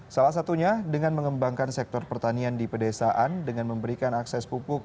salah satunya dengan mengembangkan sektor pertanian di pedesaan dengan memberikan akses pupuk